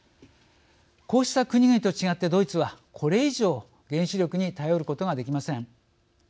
こうした国々とは違ってドイツは、これ以上原子力に頼ることができません。